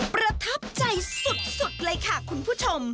ประทับใจสุดเลยค่ะคุณผู้ชม